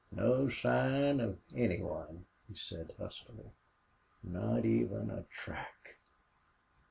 "No sign of any one," he said, huskily. "Not even a track!...